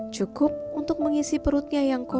cukup untuk mengisi perutnya yang kosong